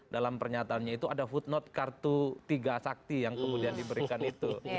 dalam pernyataannya itu ada footnote kartu tiga sakti yang kemudian diberikan itu